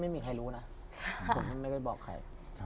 ไม่มีใครรู้นะผมไม่ได้บอกใคร